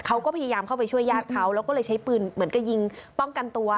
เขาก็พยายามเข้าไปช่วยญาติเขาแล้วก็เลยใช้ปืนเหมือนกับยิงป้องกันตัว